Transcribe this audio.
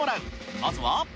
まずは。